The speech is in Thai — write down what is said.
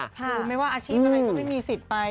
คือไม่ว่าอาชีพอะไรก็ไม่มีสิทธิ์ไป